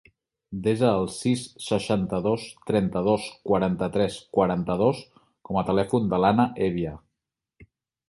Desa el sis, seixanta-dos, trenta-dos, quaranta-tres, quaranta-dos com a telèfon de l'Anna Hevia.